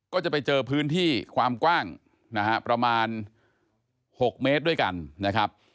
ก็จะไปเจอพื้นที่ความกว้างนะฮะประมาณ๖เมตรด้วยกันนะครับ